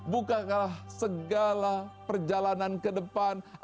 bukalah segala perjalanan ke depan kita